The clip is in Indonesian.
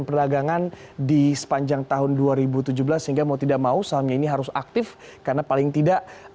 perdagangan di sepanjang tahun dua ribu tujuh belas sehingga mau tidak mau sahamnya ini harus aktif karena paling tidak